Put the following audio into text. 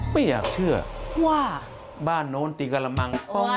ไม่อยากเชื่อว่าบ้านโน้นตีกระมัง